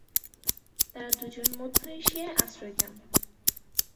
তারা দুজন মধ্য এশিয়ায় আশ্রয় চান।